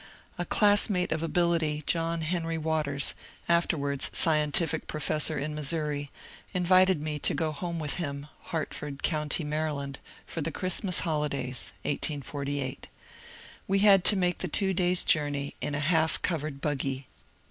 A classmate of ability, John Henry Waters, afterwards scien tific professor in Missouri, invited me to go home with him (Hartford County, Maryland) for the Christmas holidays (1848). We had to make the two days' journey in a half covered buggy.